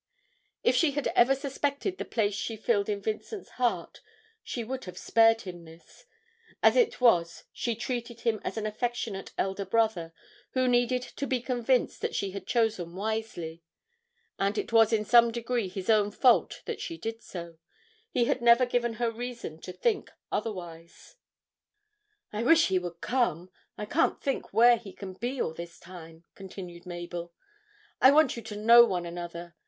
If she had ever suspected the place she filled in Vincent's heart she would have spared him this; as it was she treated him as an affectionate elder brother, who needed to be convinced that she had chosen wisely; and it was in some degree his own fault that she did so; he had never given her reason to think otherwise. 'I wish he would come; I can't think where he can be all this time,' continued Mabel. 'I want you to know one another.